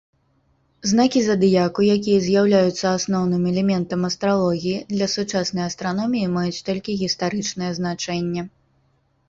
Знакі задыяку, якія з'яўляюцца асноўным элементам астралогіі, для сучаснай астраноміі маюць толькі гістарычнае значэнне.